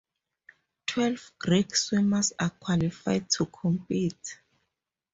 Twelve Greek swimmers are qualified to compete.